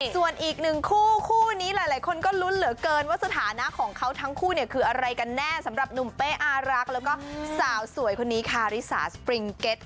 ส่วนอีกหนึ่งคู่คู่นี้หลายคนก็ลุ้นเหลือเกินว่าสถานะของเขาทั้งคู่เนี่ยคืออะไรกันแน่สำหรับหนุ่มเป้อารักษ์แล้วก็สาวสวยคนนี้คาริสาสปริงเก็ต